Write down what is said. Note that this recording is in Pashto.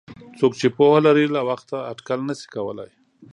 څوک چې پوهه لري له وخته اټکل نشي کولای.